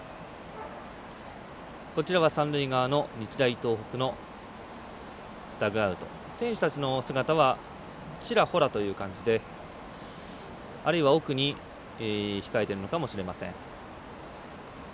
三塁側の日大東北のダグアウトは選手たちの姿はちらほらという感じであるいは奥に控えているのかもしれません。